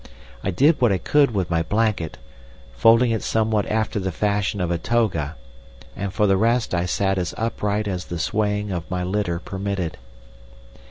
I did what I could with my blanket—folding it somewhat after the fashion of a toga, and for the rest I sat as upright as the swaying of my litter permitted.